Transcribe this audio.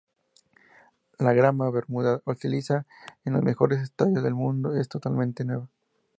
La grama "bermuda" utilizada en los mejores estadios del mundo, es totalmente nueva.